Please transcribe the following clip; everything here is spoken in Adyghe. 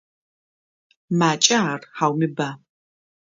Макӏа ар, хьауми ба?